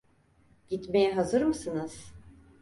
Gitmeye hazır mısınız?